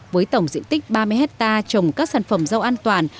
với tổng diện tích ba mươi hectare trồng các sản phẩm rau an toàn